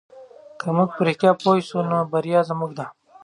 که موږ په رښتیا پوه سو نو بریا زموږ ده.